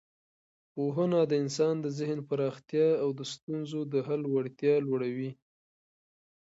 پوهنه د انسان د ذهن پراختیا او د ستونزو د حل وړتیا لوړوي.